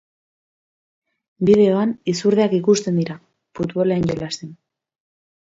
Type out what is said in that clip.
Bideoan, izurdeak ikusten dira, futbolean jolasten.